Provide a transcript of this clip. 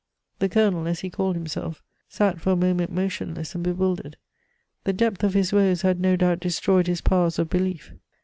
The Colonel, as he called himself, sat for a moment motionless and bewildered; the depth of his woes had no doubt destroyed his powers of belief.